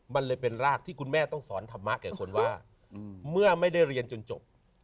มันเลยเป็นรากที่คุณแม่ต้องสอนธรรมะแก่คนว่าเมื่อไม่ได้เรียนจนจบ